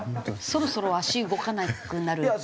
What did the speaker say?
そろそろ足動かなくなる。